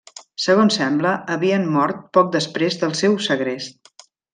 Segons sembla, havien mort poc després del seu segrest.